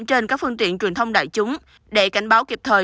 trên các phương tiện truyền thông đại chúng để cảnh báo kịp thời